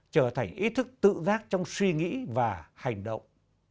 trở thành ý thức tự giác trong suy nghĩ và hành động